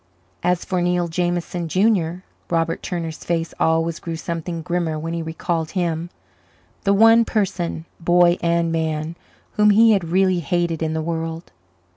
As for Neil Jameson, Junior, Robert Turner's face always grew something grimmer when he recalled him the one person, boy and man, whom he had really hated in the world.